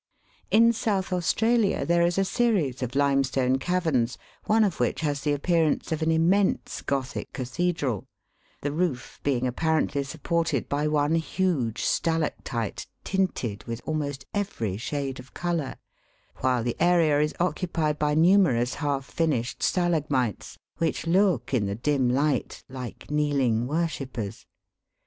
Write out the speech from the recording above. In South Australia there is a series of limestone caverns, one of which has the appearance of an immense Gothic cathedral, the roof being apparently supported by one huge stalactite, tinted with almost every shade of colour, while the area is occupied by numerous half finished stalagmites, which look, in the dim light, like kneeling worshippers.